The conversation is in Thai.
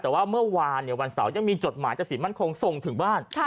แต่ว่าเมื่อวานวันเสาร์ยังมีจดหมายจากสินมั่นคงส่งถึงบ้าน